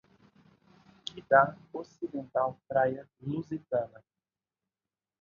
Que da ocidental praia Lusitana